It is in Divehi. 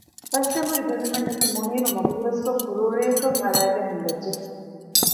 ފަސްއެނބުރި ބެލުމެއް ނެތި މުނީރު މަގު ހުރަސްކޮށް ކުރޮޅިއަކަށް އަރައިގެން ހިނގައްޖެ